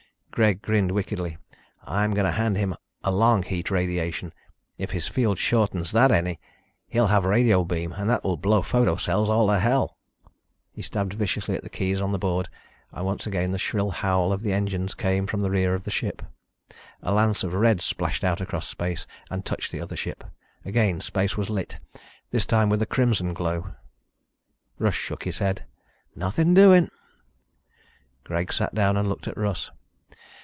Greg grinned wickedly. "I'm going to hand him a long heat radiation. If his field shortens that any, he'll have radio beam and that will blow photo cells all to hell." He stabbed viciously at the keys on the board and once again the shrill howl of the engines came from the rear of the ship. A lance of red splashed out across space and touched the other ship. Again space was lit, this time with a crimson glow. Russ shook his head. "Nothing doing." Greg sat down and looked at Russ.